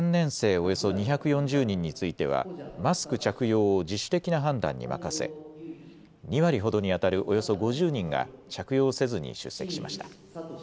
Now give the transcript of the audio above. およそ２４０人についてはマスク着用を自主的な判断に任せ２割ほどにあたるおよそ５０人が着用せずに出席しました。